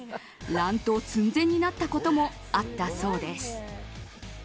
乱闘寸前になったこともあったそうです。